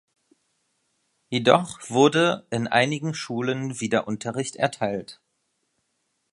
Jedoch wurde in einigen Schulen wieder Unterricht erteilt.